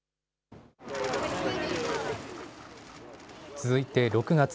続いて６月。